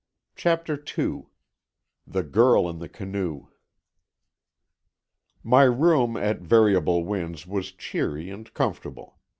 CHAPTER II THE GIRL IN THE CANOE My room at Variable Winds was cheery and comfortable.